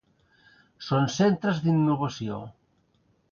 Són centres d'innovació.